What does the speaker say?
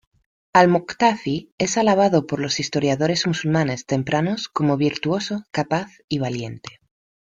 Al-Muqtafi es alabado por los historiadores musulmanes tempranos como virtuoso, capaz y valiente.